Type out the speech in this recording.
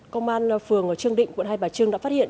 công an phường trương định quận hai bà trưng đã phát hiện